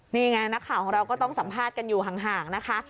นี่ไงนักข่าวของเราก็ต้องสัมภาษณ์กันอยู่ห่างนะคะ